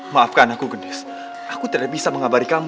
maafkan aku gedes aku tidak bisa mengabari kamu